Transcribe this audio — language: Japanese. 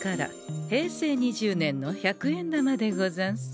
平成２０年の百円玉でござんす。